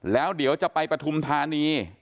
แล้วเดี๋ยวจะไปปฐุมธานี